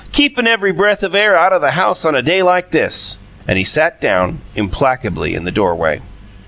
"Keepin' every breath of air out o' the house on a day like this!" And he sat down implacably in the doorway.